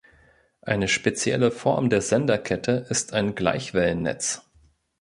Eine spezielle Form der Senderkette ist ein Gleichwellennetz.